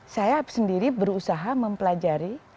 saya sendiri berusaha mempelajari